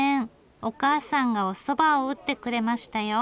おかあさんがおそばを打ってくれましたよ。